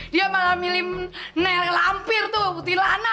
dia malah milih nelampir tuh putih lana